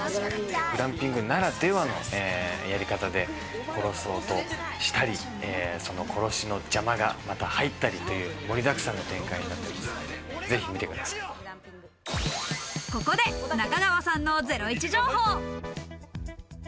グランピングならではのやり方で殺そうとしたり、その殺しの邪魔がまた入ったりという盛りだくさんの展開になっていますので、ぜひ見てください。